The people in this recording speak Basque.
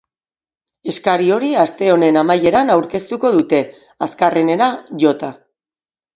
Eskari hori aste honen amaieran aurkeztuko dute, azkarrenera jota.